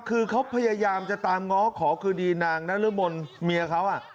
คือเขาพยายามจะตามง้อขอคืนดีนางนรมนเมียเขา